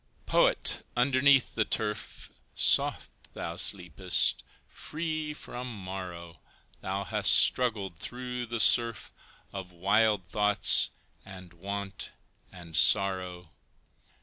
Poet! underneath the turf, Soft thou sleepest, free from morrow, Thou hast struggled through the surf Of wild thoughts and want and sorrow.